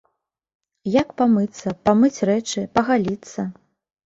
Як памыцца, памыць рэчы, пагаліцца?